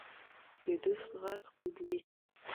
د دوست غږ خوږ وي.